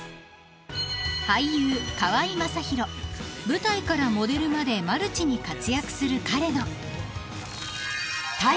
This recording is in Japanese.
［舞台からモデルまでマルチに活躍する彼の］